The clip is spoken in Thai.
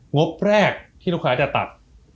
งบแรกที่ลูกค้าจะตัด